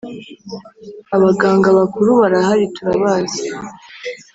Abaganga bakuru barahari turabazi